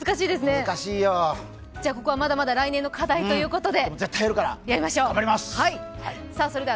じゃあ、ここはまだまだ来年の課題ということで。